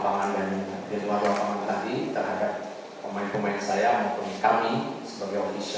pemain pemain saya menghukumi kami sebagai ofisial